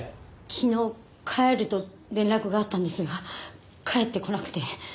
昨日「帰る」と連絡があったんですが帰ってこなくて。